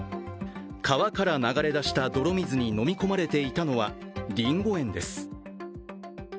川から流れだした泥水にのみ込まれていたのは、りんご園です。